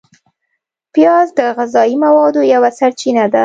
پیاز د غذایي موادو یوه سرچینه ده